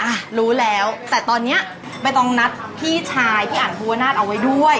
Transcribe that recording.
อ่ะรู้แล้วแต่ตอนเนี้ยไม่ต้องนัดพี่ชายพี่อันภูวนาศเอาไว้ด้วย